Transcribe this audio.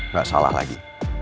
gak salah lagi